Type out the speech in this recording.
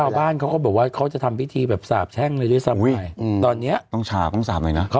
ชาวบ้านเขาก็บอกว่าเขาจะทำพิธีแบบสาบแช่งเลยด้วยซ้ำตอนเนี้ยต้องฉาบต้องสาบหน่อยนะ